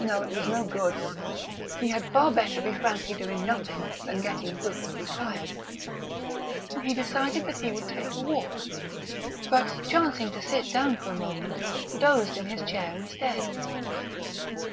No, it was no good; he had far better be frankly doing nothing than getting fruitlessly tired; and he decided that he would take a walk, but, chancing to sit down for a moment, dozed in his chair instead.